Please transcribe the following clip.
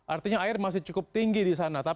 artinya air masih cukup tinggi di sana